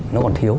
nó còn thiếu